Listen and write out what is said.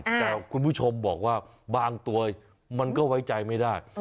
แต่คุณผู้ชมบอกว่าบางตัวมันก็ไว้ใจไม่ได้